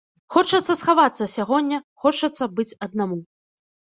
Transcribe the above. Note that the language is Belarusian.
Хочацца схавацца сягоння, хочацца быць аднаму.